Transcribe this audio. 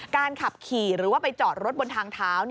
ขับขี่หรือว่าไปจอดรถบนทางเท้า